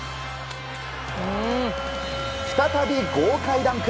再び豪快ダンク！